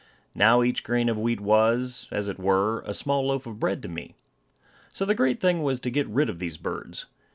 Now each grain of wheat was, as it were, a small loaf of bread to me. So the great thing was to get rid of these birds.